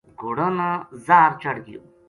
گھوڑاں نا زاہر چڑھ گیو